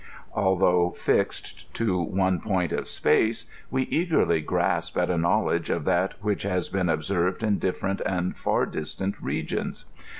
Although fixed to one point of space, we eagerly grasp at a knowledge of that which has been observed in'difierent and far distant regions.